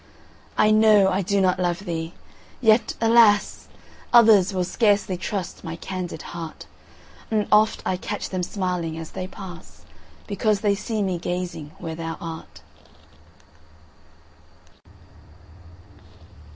I know I do not love thee! yet, alas! Others will scarcely trust my candid heart; And oft I catch them smiling as they pass, Because they see me gazing where thou art.